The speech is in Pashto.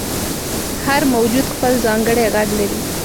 • هر موجود خپل ځانګړی ږغ لري.